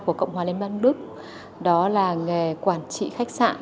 của cộng hòa liên bang đức đó là nghề quản trị khách sạn